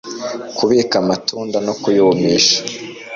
Kubika Amatunda no Kuyumisha